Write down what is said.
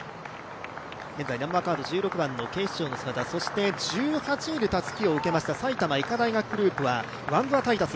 現在１６番の警視庁の姿、そして１８位でたすきを受けました埼玉医科大学グループはワンブア・タイタス。